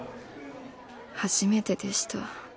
初めてでした。